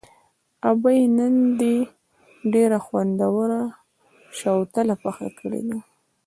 ابۍ نن دې ډېره خوندوره شوتله پخه کړې ده.